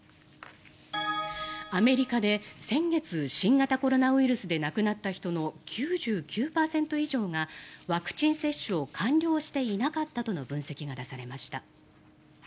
アメリカで先月新型コロナウイルスで亡くなった人の９９％以上が、ワクチン接種を完了していなかったとの分析が出されました。